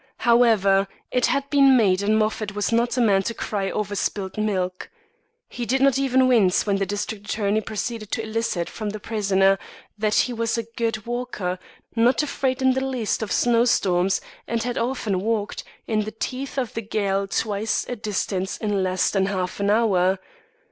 However, it had been made and Moffat was not a man to cry over spilled milk. He did not even wince when the district attorney proceeded to elicit from the prisoner that he was a good walker, not afraid in the least of snow storms and had often walked, in the teeth of the gale twice that distance in less than half an hour.